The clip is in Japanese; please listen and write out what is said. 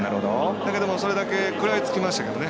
だけども、それだけ食らいつきましたけどね。